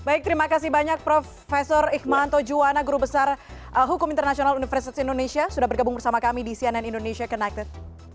baik terima kasih banyak prof ikmanto juwana guru besar hukum internasional universitas indonesia sudah bergabung bersama kami di cnn indonesia connected